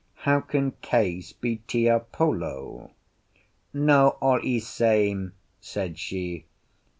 How can Case be Tiapolo?" "No all e same," said she.